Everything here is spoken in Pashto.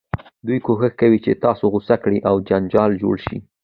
دوی کوښښ کوي چې تاسو غوسه کړي او جنجال جوړ شي.